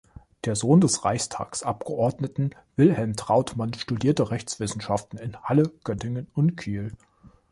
Der Sohn des Reichstagsabgeordneten Wilhelm Trautmann studierte Rechtswissenschaften in Halle, Göttingen und Kiel.